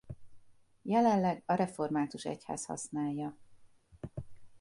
Jelenleg a református egyház használja.